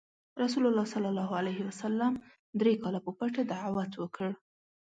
رسول الله ﷺ دری کاله په پټه دعوت وکړ.